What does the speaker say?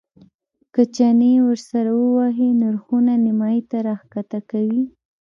که چنې ورسره ووهې نرخونه نیمایي ته راښکته کوي.